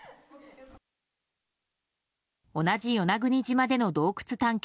同じ与那国島での洞窟探検